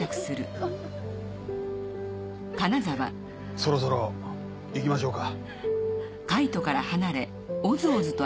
そろそろ行きましょうか。